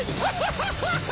ハッハハハ！